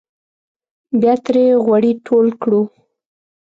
بیا ترې غوړي ټول کړو.